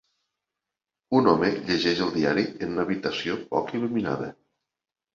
Un home llegeix el diari en una habitació poc il·luminada.